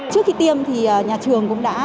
trước khi tiêm thì nhà trường cũng đã